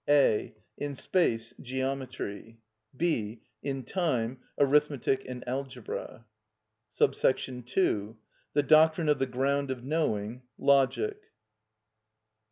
(a.) In space: Geometry. (b.) In time: Arithmetic and Algebra. 2. The doctrine of the ground of knowing: Logic.